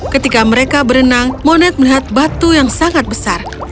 ketika mereka berenang monet melihat batu yang sangat besar